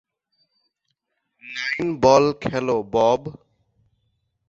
Nine ball খেলো, Bob.